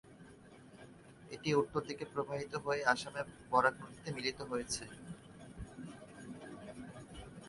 এটি উত্তর দিকে প্রবাহিত হয়ে আসামের বরাক নদীতে মিলিত হয়েছে।